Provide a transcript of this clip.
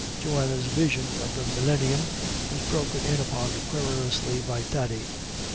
Johanna's vision of the millennium was broken in upon querulously by Thady.